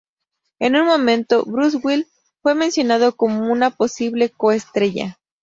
En un momento Bruce Willis fue mencionado como una posible co estrella.